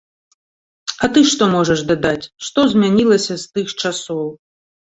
А ты што можаш дадаць, што змянілася з тых часоў?